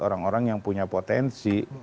orang orang yang punya potensi